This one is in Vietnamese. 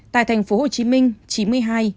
tại tp hcm chín mươi hai